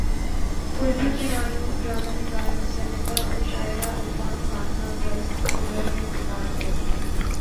اردو کی معروف ڈرامہ نگار مصنفہ اور شاعرہ الطاف فاطمہ برس کی عمر میں انتقال کر گئیں